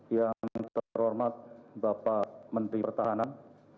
yang terhormat bapak menteri pertahanan